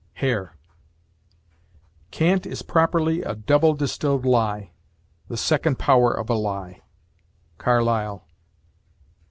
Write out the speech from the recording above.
HARE. Cant is properly a double distilled lie; the second power of a lie. CARLYLE.